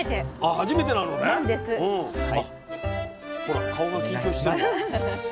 あっほら顔が緊張してるわ。